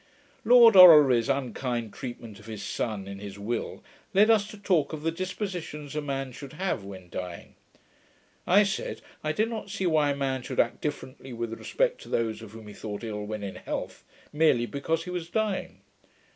Lord Orrery's unkind treatment of his son in his will, led us to talk of the dispositions a man should have when dying. I said, I did not see why a man should act differently with respect to those of whom he thought ill when in health, merely because he was dying.